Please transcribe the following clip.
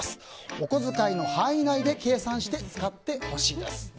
お小遣いの範囲内で計算して使ってほしいです。